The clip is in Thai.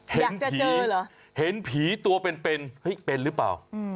อยากจะเจอเหรอเห็นผีตัวเป็นเห้ยเป็นหรือเปล่า